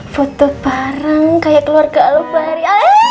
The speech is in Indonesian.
foto bareng kayak keluarga lu bari